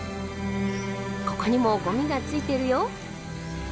「ここにもごみが付いているよ。